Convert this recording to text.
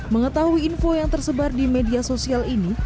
mengetahui info yang tersebar di media sosial ini